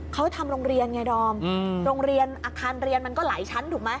เขาทำโรงเรียนไงดอมโรงเรียนอาคารเรียนมันก็หลายชั้นถูกไหม